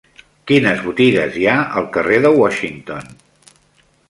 Quines botigues hi ha al carrer de Washington?